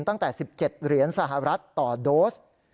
ตั้งแต่๑๗เหรียญสหรัฐต่อโดส